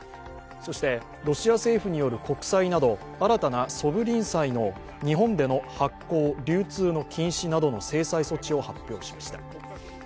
そして、ロシア政府による国債など新たなソブリン債の日本での発行・流通の禁止などの制裁措置を発表しました。